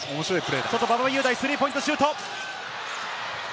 馬場雄大、スリーポイントシュート。